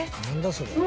それ」